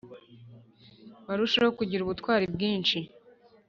barusheho kugira ubutwari bwinshi